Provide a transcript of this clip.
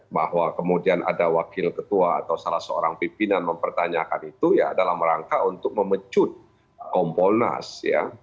bahwa kemudian ada wakil ketua atau salah seorang pimpinan mempertanyakan itu ya dalam rangka untuk memecut kompolnas ya